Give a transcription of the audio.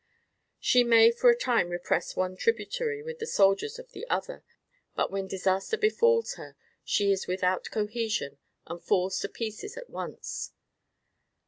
She may for a time repress one tributary with the soldiers of the others; but when disaster befalls her she is without cohesion and falls to pieces at once.